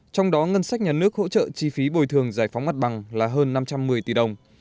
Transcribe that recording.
trong đó ngân sách nhà nước hỗ trợ chi phí bồi thường giải phóng mặt bằng là hơn năm trăm một mươi tỷ đồng